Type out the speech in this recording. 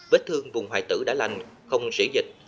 vết thương vùng hoại tử đã lành không xỉ dịch